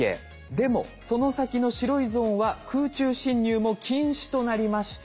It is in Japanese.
でもその先の白いゾーンは空中侵入も禁止となりました。